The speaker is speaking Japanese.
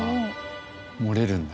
漏れるんだ。